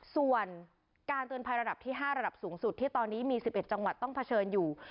ส่วนการเตือนภัยระดับที่๕ระดับสูงสุดที่ตอนนี้มี๑๑จังหวัดต้องเผชิญอยู่